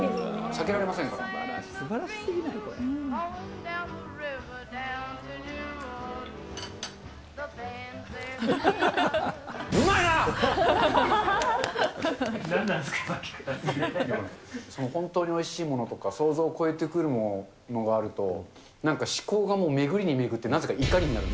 さっきから本当においしいものとか、想像を超えてくるものがあると、なんか思考がもう巡りに巡って、なぜか怒りになる。